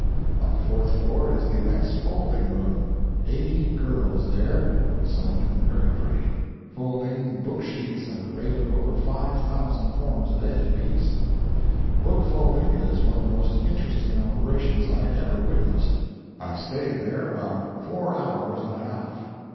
On the fourth floor is the immense folding room. Eighty girls there (some of them very pretty), folding book sheets at the rate of over 5,000 forms a day apiece. Book folding is one of the most interesting operations I ever witnessed. I staid there about four hours and a half.